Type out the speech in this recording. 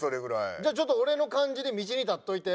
じゃあちょっと俺の感じで道に立っといて。